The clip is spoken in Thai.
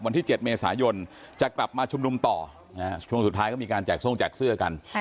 วันที่๗เมษายนจะกลับมาชุมนุมต่อช่วงสุดท้ายก็มีการแจกทรงแจกเสื้อกัน